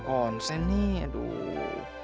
konsen nih aduh